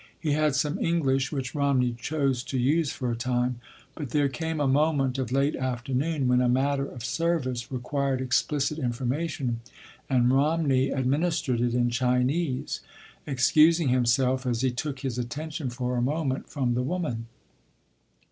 He had some English which Romney chose to use for a time, but there came a moment of late afternoon when a matter of service required explicit information, and Romney administered it in Chinese, excusing himself as he took his attention for a moment from the woman.